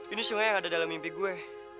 ini sungai yang ada dalam mimpi gue